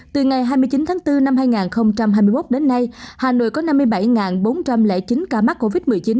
từ ngày hai mươi chín tháng bốn năm hai nghìn hai mươi một đến nay hà nội có năm mươi bảy bốn trăm linh chín ca mắc covid một mươi chín